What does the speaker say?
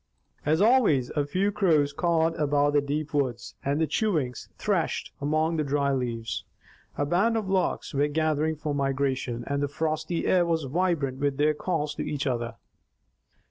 As always, a few crows cawed above the deep woods, and the chewinks threshed about among the dry leaves. A band of larks were gathering for migration, and the frosty air was vibrant with their calls to each other.